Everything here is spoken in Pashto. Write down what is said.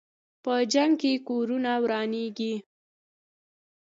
په جنګ کې کورونه ورانېږي.